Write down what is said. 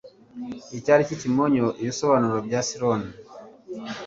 icyari cy'ikimonyo, ibisobanuro bya ciron